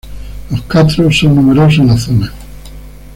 Los castros son numerosos en la zona.